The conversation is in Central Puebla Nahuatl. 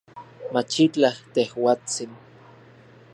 Machitlaj, tejuatsin